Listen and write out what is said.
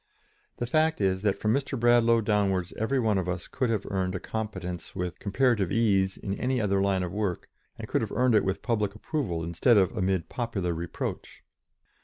The fact is that from Mr. Bradlaugh downwards every one of us could have earned a competence with comparative ease in any other line of work, and could have earned it with public approval instead of amid popular reproach.